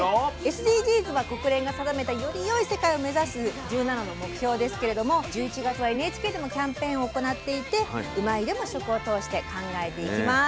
ＳＤＧｓは国連が定めたよりよい世界を目指す１７の目標ですけれども１１月はＮＨＫでもキャンペーンを行っていて「うまいッ！」でも食を通して考えていきます。